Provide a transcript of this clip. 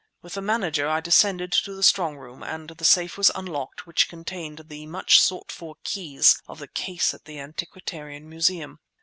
With the manager I descended to the strong room, and the safe was unlocked which contained the much sought for keys of the case at the Antiquarian Museum.